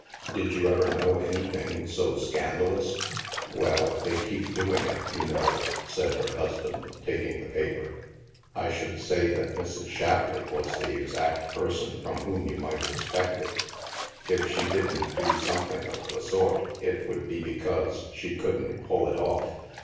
* Did you ever know anything so scandalous ?"" Well, they keep doing it, you know/' said her husband, taking the paper. " I should say that Mrs. Shapleigh was the exact person from whom you might expect it. If she didn't do something of the sort, it would be because she couldn't pull it off.